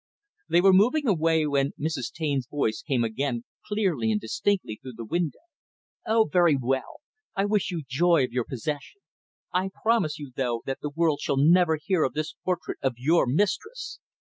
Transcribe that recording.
They were moving away, when Mrs. Taine's voice came again, clearly and distinctly, through the window. "Oh, very well. I wish you joy of your possession. I promise you, though, that the world shall never hear of this portrait of your mistress.